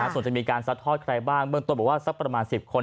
ส่วนจะมีการซัดทอดใครบ้างเบื้องต้นบอกว่าสักประมาณ๑๐คน